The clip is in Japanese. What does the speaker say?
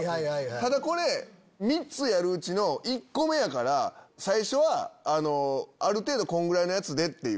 ただこれ３つやるうちの１個目やから最初はある程度こんぐらいのやつで！っていう。